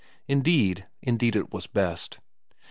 Indeed, indeed it was best.